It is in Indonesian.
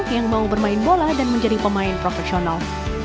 yang mau bermain bola dan menjadi pemain profesional